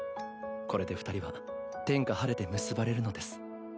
これで２人は天下晴れて結ばれるのです。